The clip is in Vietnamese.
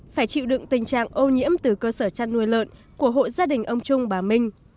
phải chịu đựng tình trạng ô nhiễm từ cơ sở chăn nuôi lợn của hội gia đình ông trung bà minh